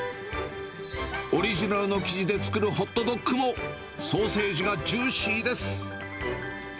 オリジナルの生地で作るホットドッグも、ソーセージがジューシーです。